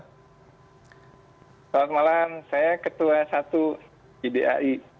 selamat malam saya ketua satu idai